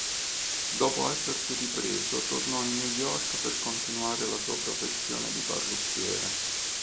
Dopo essersi ripreso tornò a New York per continuare la sua professione di parrucchiere.